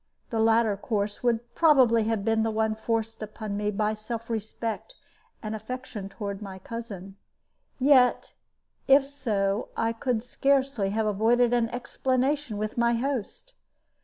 The latter course would probably have been the one forced upon me by self respect and affection toward my cousin; and yet if so, I could scarcely have avoided an explanation with my host.